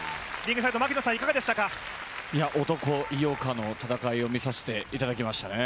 男・井岡の戦いを見させていただきましたね。